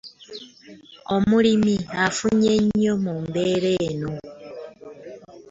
Omulimi afunye nnyo mu mbeera eno.